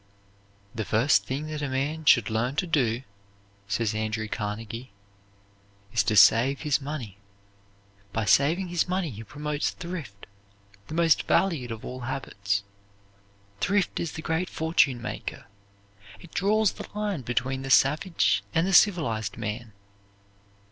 "The first thing that a man should learn to do," says Andrew Carnegie, "is to save his money. By saving his money he promotes thrift, the most valued of all habits. Thrift is the great fortune maker. It draws the line between the savage and the civilized man.